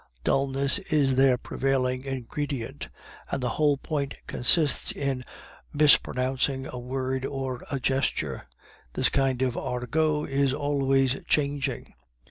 Dulness is their prevailing ingredient, and the whole point consists in mispronouncing a word or a gesture. This kind of argot is always changing.